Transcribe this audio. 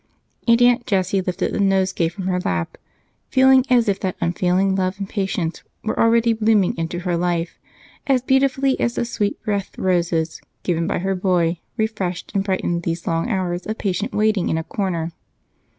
And Aunt Jessie lifted the nosegay from her lap, feeling as if that unfailing love and patience were already blooming into her life as beautifully as the sweet breathed roses given by her boy refreshed and brightened these long hours of patient waiting in a corner.